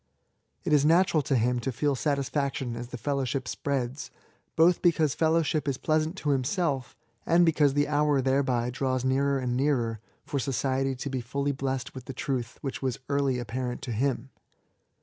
It is natural to him to feel satisfaction as the fellowship spreads — ^both because fellowship is pleasant to himself, and b2 76 ESSAYS. because the hour thereby draws nearer and nearer for society to be fully blessed with the truth which was early apparent to him.